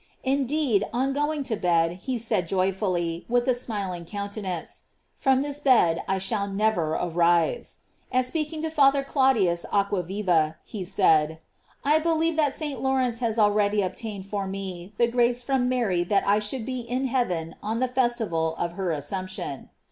Indeed, on going to bed he said joyfully, with a smiling countenance: "From this bed I shall never arise." And speaking to Father Cladius Aqua viva, he added: "I believe that St. Lawrence has already obtain, ed for me the grace from Mary that I should be in heaven on the festival of her Assumption."